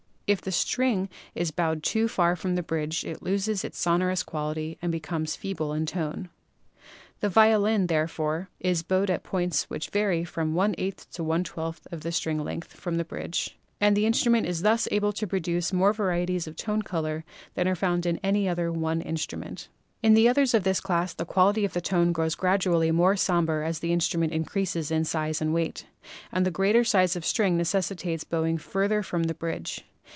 If the string is bowed too far from the bridge it loses its sonorous quality and becomes feeble in tone. The violin string, therefore, is bowed at points which vary from x / 8 to V 12 of the string length from the bridge, and the instru ment is thus able to produce more varieties of tone color than are found in any other one instrument. In the others of this class the quality of tone grows gradually more somber as the instruments increase in size and weight, and the greater size of string necessitates bowing farther from the bridge.